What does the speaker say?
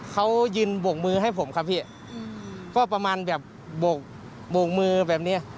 เขายืนโบกมือให้ผมครับพี่ก็ประมาณแบบโบกมือแบบเนี้ย